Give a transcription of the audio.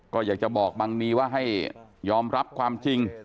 ก็อยากจะบอกบังนีว่าให้ยอมรับความจริง